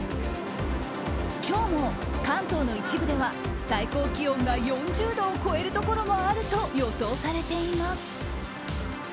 今日も関東の一部では最高気温が４０度を超えるところもあると予想されています。